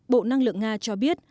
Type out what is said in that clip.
bộ năng lượng nga cho biết